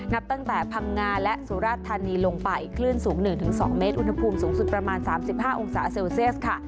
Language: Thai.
นับตั้งแต่พังงาและสุราชธานีลงไปคลื่นสูง๑๒เมตรอุณหภูมิสูงสุดประมาณ๓๕องศาเซลเซียสค่ะ